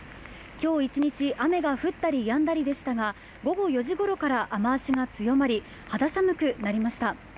今日一日、雨が降ったりやんだりでしたが、午後４時ごろから雨足が強まり肌寒くなりました。